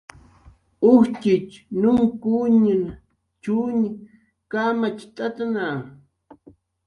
Ujtxitx nunkuñn chuñ kamacht'atna